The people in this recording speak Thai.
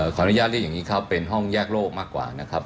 ขออนุญาตเรียกอย่างนี้ครับเป็นห้องแยกโลกมากกว่านะครับ